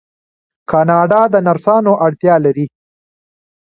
کاناډا د نرسانو اړتیا لري.